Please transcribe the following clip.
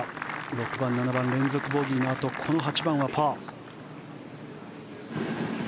６番、７番連続ボギーのあとこの８番はパー。